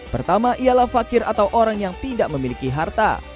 pertama ialah fakir atau orang yang tidak memiliki harta